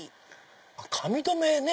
髪留めね。